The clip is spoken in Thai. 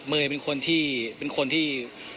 เมย์เป็นคนที่